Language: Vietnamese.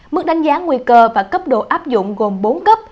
mức đánh giá nguy cơ và cấp độ áp dụng gồm bốn cấp